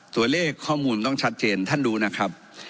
ตัวเลขข้อมูลต้องชัดเจนท่านดูนะครับ